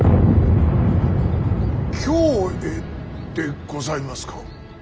京へでございますか。